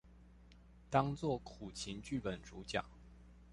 當做苦情劇本主角